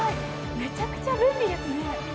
めちゃくちゃ便利ですね。